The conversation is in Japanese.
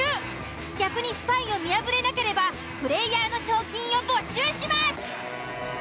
逆にスパイを見破れなければプレイヤーの賞金を没収します。